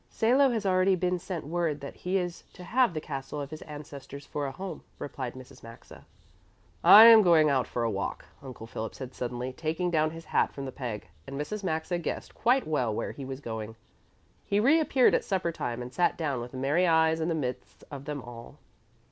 "Salo has already been sent word that he is to have the castle of his ancestors for a home," replied Mrs. Maxa. "I am going out for a walk," Uncle Philip said suddenly, taking down his hat from the peg, and Mrs. Maxa guessed quite well where he was going. He reappeared at supper time and sat down with merry eyes in the midst of them all.